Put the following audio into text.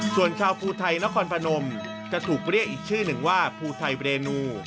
ส่วนชาวภูไทยนครพนมจะถูกเรียกอีกชื่อหนึ่งว่าภูไทยเรนู